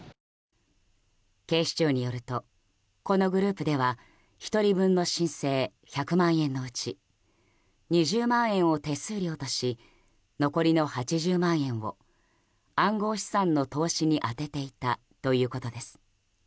警視庁によるとこのグループでは１人分の申請１００万円のうち２０万円を手数料とし残りの８０万円を暗号資産の投資に充てていたということです。